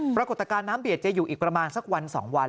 ปรากฏการณ์น้ำเดียดจะอยู่อีกประมาณสักวัน๒วัน